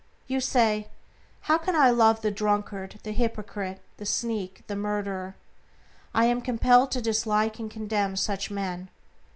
You say, "How can I love the drunkard, the hypocrite, the sneak, the murderer? I am compelled to dislike and condemn such men."